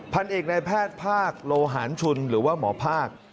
พันเอกในแพทย์ภาคโลหารชุนหรือว่าหมอภาค